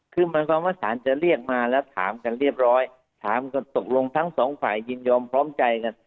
คือหมายความว่าสารจะเรียกมาแล้วถามกันเรียบร้อยถามกันตกลงทั้งสองฝ่ายยินยอมพร้อมใจกัน